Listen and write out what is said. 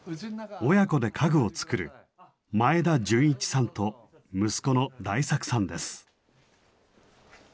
親子で家具を作る前田純一さんと息子の大作さんです。